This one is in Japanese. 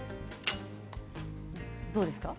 どうですか。